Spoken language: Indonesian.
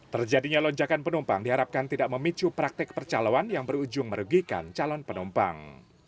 terjadinya lonjakan penumpang diharapkan tidak memicu praktek percaloan yang berujung merugikan calon penumpang